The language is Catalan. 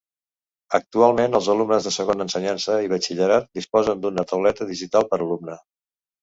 Actualment els alumnes de segona ensenyança i batxillerat disposen d'una tauleta digital per alumne.